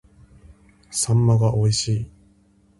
秋刀魚が美味しい